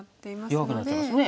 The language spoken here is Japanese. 弱くなっちゃいますね。